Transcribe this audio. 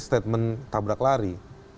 statement tabrak lari